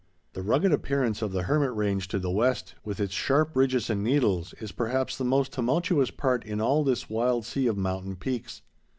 The rugged appearance of the Hermit Range to the west, with its sharp ridges and needles, is perhaps the most tumultuous part in all this wild sea of mountain peaks.